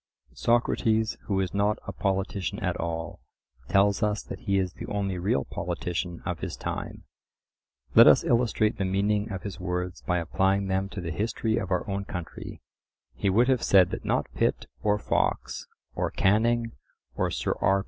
Socrates, who is not a politician at all, tells us that he is the only real politician of his time. Let us illustrate the meaning of his words by applying them to the history of our own country. He would have said that not Pitt or Fox, or Canning or Sir R.